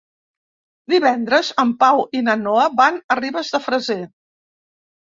Divendres en Pau i na Noa van a Ribes de Freser.